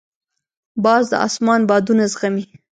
باز د اسمان بادونه زغمي